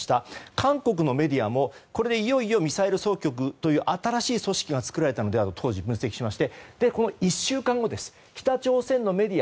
韓国のメディアもいよいよミサイル総局という新しい組織が作られたのではと当時、分析しましてこの１週間後、北朝鮮のメディア